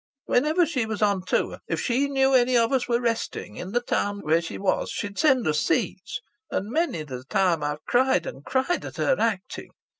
"Whenever she was on tour, if she knew any of us were resting in the town where she was she'd send us seats. And many's the time I've cried and cried at her acting.